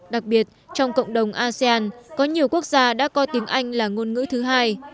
đặc biệt trong cộng đồng asean có nhiều quốc gia đã coi tiếng anh là ngôn ngữ thứ hai